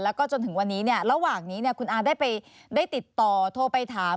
แล้วก็จนถึงวันนี้ระหว่างนี้คุณอาได้ติดต่อโทรไปถาม